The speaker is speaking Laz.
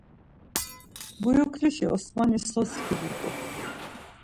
Buyuklişi Osmani so skidut̆u?